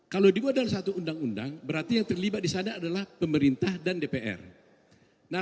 kalau dibuat dalam satu undang undang berarti yang terlibat di sana adalah pemerintah dan dpr